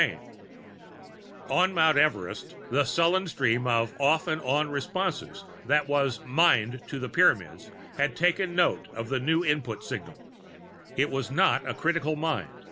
XII On Mount Everest, the sullen stream of off and on responses that was "mind" to the Pyramid had taken note of a new input signal. It was not a critical mind.